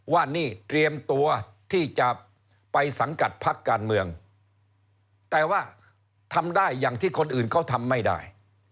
ว่านี่เตรียมตัวที่จะไปสังกัดพักการเมืองแต่ว่าทำได้อย่างที่คนอื่นเขาทำไม่ได้